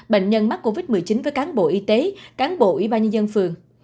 bệnh nhân mắc covid một mươi chín với cán bộ y tế cán bộ y bà nhân dân phường